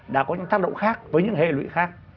đã có những tác động khác với những hệ lụy khác